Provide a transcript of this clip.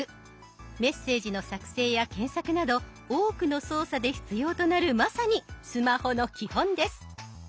メッセージの作成や検索など多くの操作で必要となるまさにスマホの基本です。